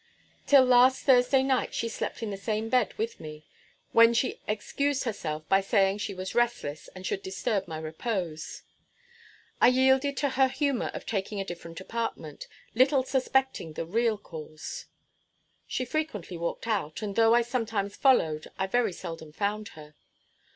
Till last Thursday night she slept in the same bed with me, when she excused herself by saying she was restless, and should disturb my repose. I yielded to her humor of taking a different apartment, little suspecting the real cause. She frequently walked out, and though I sometimes followed, I very seldom found her.